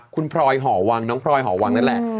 คุณพลอยห่อวังน้องพลอยหอวังนั่นแหละ